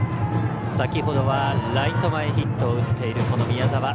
先ほどはライト前ヒットを打っている宮澤。